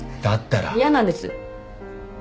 嫌なんです。